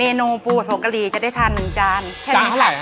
เมนูปูผัดผมกะหลีจะได้ทาน๑จาน